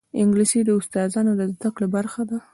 انګلیسي د استاذانو د زده کړې برخه ده